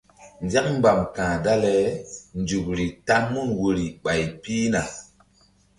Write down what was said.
Nzak mbam ka̧h dale nzukri ta mun woyri ɓay pihna.